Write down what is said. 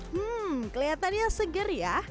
hmm kelihatannya segar ya